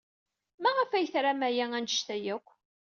Maɣef ay tram aya anect-a akk?